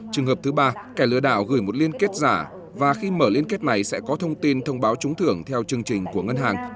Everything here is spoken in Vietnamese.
trường hợp thứ ba kẻ lừa đảo gửi một liên kết giả và khi mở liên kết này sẽ có thông tin thông báo trúng thưởng theo chương trình của ngân hàng